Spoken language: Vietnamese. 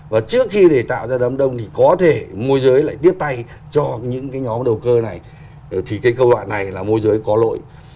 và trước khi để tạo ra đám đông thì có thể môi giới lại tiếp tay cho những cái nhóm đầu cơ này thì cái câu đoạn này là môi giới có lỗi